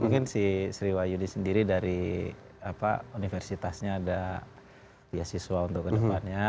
mungkin si sriwayudi sendiri dari universitasnya ada beasiswa untuk kedepannya